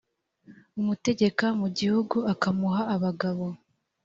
umutegeka mu gihugu akamuha abagabo